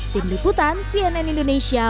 tim liputan cnn indonesia